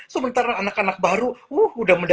semengtara anak anak baru willresure tohey